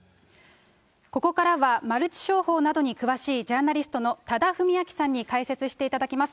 ここからはマルチ商法などに詳しい、ジャーナリストの多田文明さんに解説していただきます。